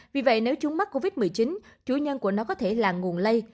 vì vậy nếu chúng mắc covid một mươi chín chủ nhân của nó có thể là nguồn lây